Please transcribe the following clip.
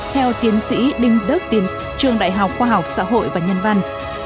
theo tiến sĩ đinh đức tiến trường đại học khoa học xã hội và nhân văn